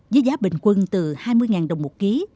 với giá bình quân từ hai mươi đồng một ký